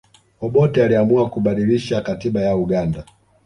obote aliamua kubadilisha katiba ya uganda